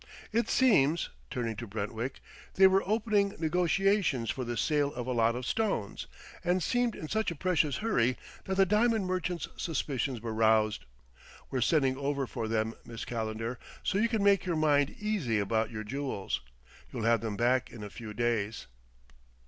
It seems," turning to Brentwick, "they were opening negotiations for the sale of a lot of stones, and seemed in such a precious hurry that the diamond merchant's suspicions were roused. We're sending over for them, Miss Calendar, so you can make your mind easy about your jewels; you'll have them back in a few days."